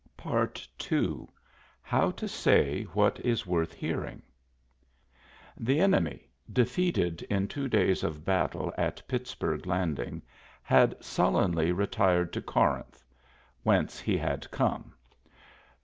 II HOW TO SAY WHAT IS WORTH HEARING The enemy, defeated in two days of battle at Pittsburg Landing, had sullenly retired to Corinth, whence he had come.